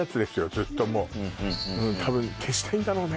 ずっともうたぶん消したいんだろうね